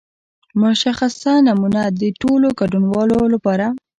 مشخصه نمونه د ټولو ګډونوالو لپاره.